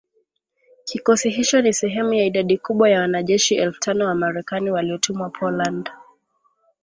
Kikosi hicho ni sehemu ya idadi kubwa ya wanajeshi elfu tano wa Marekani waliotumwa Poland.